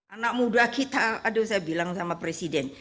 anak muda kita aduh saya bilang sama presiden